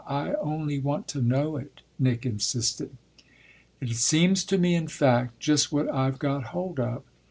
I only want to know it," Nick insisted. "It seems to me in fact just what I've got hold of.